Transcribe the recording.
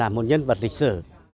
là một nhân vật lịch sử